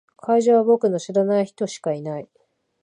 会場は僕の知らない人しかいない。